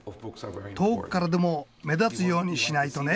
遠くからでも目立つようにしないとね。